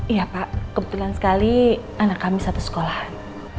iya pak kebetulan sekali anak kami satu sekolahan